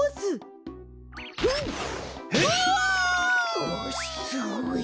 おおすごい！